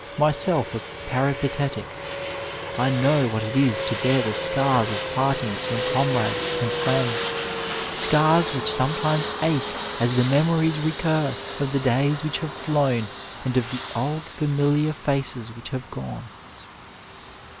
Myself a peripatetic, I know what it is to bear the scars of partingB from comrades and friends, scars which sometimes ache as the memories recur of the days which have flown and of the old familiar faces which have gone.